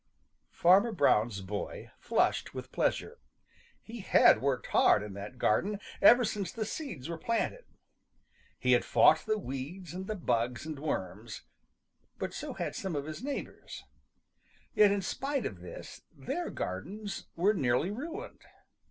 Farmer Brown's boy flushed with pleasure. He had worked hard in that garden ever since the seeds were planted. He had fought the weeds and the bugs and worms. But so had some of his neighbors. Yet in spite of this their gardens were nearly ruined.